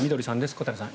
小谷さん